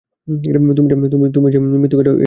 তুমি যে মিথ্যুক, এটাও বুঝে গেছি।